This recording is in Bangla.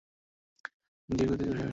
আমরা কি ধীরগতিতে ভেসে চলছি?